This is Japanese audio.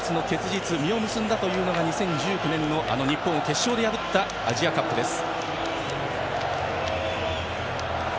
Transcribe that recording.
実を結んだというのが２０１９年の日本を決勝で破ったアジアカップです。